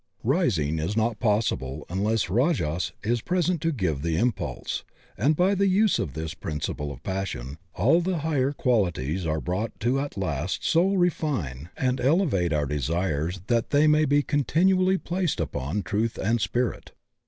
Rising is not possible unless rajas is 50 THE OCEAN OF THEOSOPHY present to give the impulse, and by the use of this principle of passion all the higher qualities are brought to at last so refine and elevate our desires that they may be continually placed upon truth and spirit.